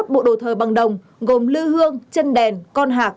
ba mươi một bộ đồ thờ bằng đồng gồm lư hương chân đèn con hạc